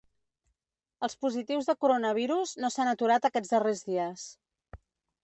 Els positius de coronavirus no s’han aturat aquests darrers dies.